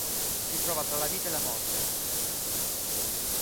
Si trova tra la vita e la morte.